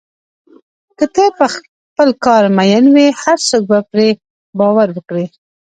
که ته په خپل کار مین وې، هر څوک به پرې باور وکړي.